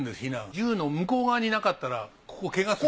銃の向こう側になかったらここけがする。